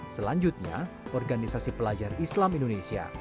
selanjutnya organisasi pelajar islam indonesia